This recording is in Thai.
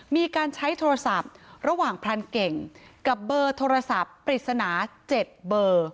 มีการใช้โทรศัพท์ระหว่างพรานเก่งกับเบอร์โทรศัพท์ปริศนา๗เบอร์